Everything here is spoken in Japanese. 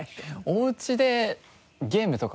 おうちでゲームとかしてます。